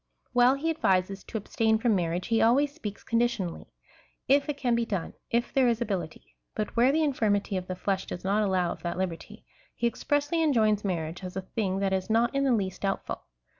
While he advises to ab stain from marriage, he always speaks conditionally — if it can he done, if there is ability ; but where the infirmity of the flesh does not allow of that liberty, he expressly enjoins marriage as a thing that is not in the least doubtful.